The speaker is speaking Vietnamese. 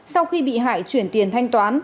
sau khi bị hại chuyển tiền thanh toán